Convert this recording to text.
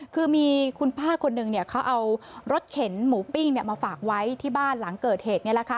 คือมีคุณป้าคนหนึ่งเขาเอารถเข็นหมูปิ้งมาฝากไว้ที่บ้านหลังเกิดเหตุ